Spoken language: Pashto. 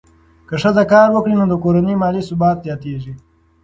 که ښځه کار وکړي، نو د کورنۍ مالي ثبات زیاتېږي.